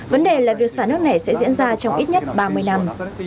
vấn đề là việc xả nước này sẽ diễn ra trong ít nhất ba mươi năm